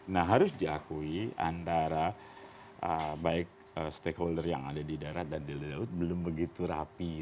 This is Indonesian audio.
nah harus diakui antara baik stakeholder yang ada di darat dan di laut belum begitu rapi